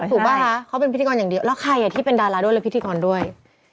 ถูกป่ะคะเขาเป็นพิธีกรอย่างเดียวแล้วใครที่เป็นดาราด้วยและพิธีกรด้วย